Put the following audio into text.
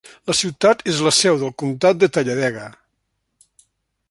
La ciutat és la seu del comtat de Talladega.